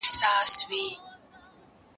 کېدای سي فکر ستونزي ولري